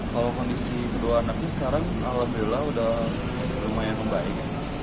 kalau kondisi kedua anaknya sekarang alhamdulillah udah lumayan membaik